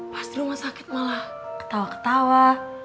pas rumah sakit malah ketawa ketawa